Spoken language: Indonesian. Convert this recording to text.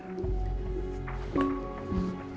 tidak ada yang bisa dihindari